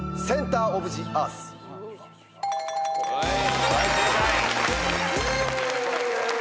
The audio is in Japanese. はい正解。